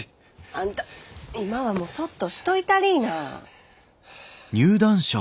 あんた今はもうそっとしといたりぃな。